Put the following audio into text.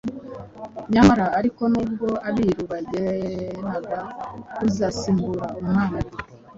Nyamara ariko n’ubwo Abiru bagenaga uzasimbura umwami,